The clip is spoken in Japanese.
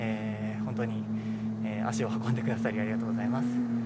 本当に足を運んでくださりありがとうございます。